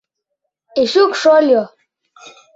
Эчук шольо!